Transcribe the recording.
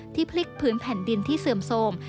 พลิกพื้นแผ่นดินที่เสื่อมโทรม